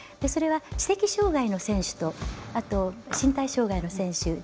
それは知的障がいの選手と身体障がいの選手